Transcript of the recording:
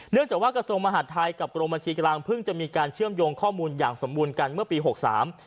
จากว่ากระทรวงมหาดไทยกับกรมบัญชีกลางเพิ่งจะมีการเชื่อมโยงข้อมูลอย่างสมบูรณ์กันเมื่อปีหกสาม